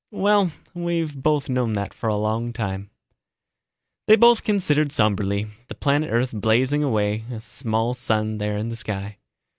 "Well, we've both known that for a long time." They both considered somberly, the planet Earth blazing away, a small sun there in the sky.